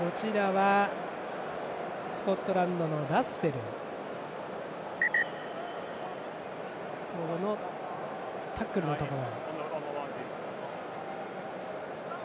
スコットランドのラッセルのタックルのところ。